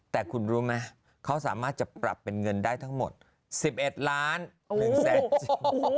แต่คุณรู้ไหมเขาสามารถจะปรับเป็นเงินได้ทั้งหมด๑๑ล้าน๑แสนบาท